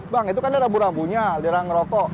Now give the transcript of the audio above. bang itu kan ada rambunya dia ngerokok